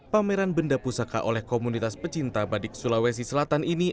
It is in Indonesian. pameran benda pusaka oleh komunitas pecinta badik sulawesi selatan ini